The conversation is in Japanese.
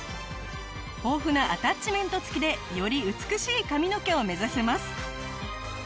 豊富なアタッチメント付きでより美しい髪の毛を目指せます。